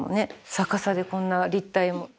逆さでこんな立体を。